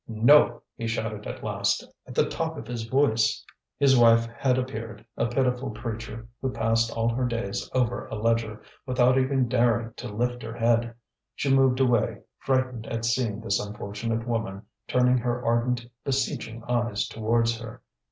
"No," he shouted at last, at the top of his voice. His wife had appeared, a pitiful creature who passed all her days over a ledger, without even daring to lift her head. She moved away, frightened at seeing this unfortunate woman turning her ardent, beseeching eyes towards her.